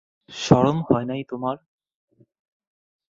শরম হয় নাই তোমার?